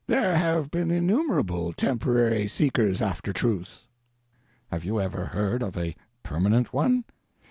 There have been innumerable Temporary Seekers of Truth—have you ever heard of a permanent one?